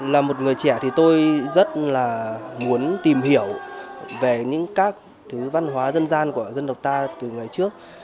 là một người trẻ thì tôi rất là muốn tìm hiểu về những các thứ văn hóa dân gian của dân tộc ta từ ngày trước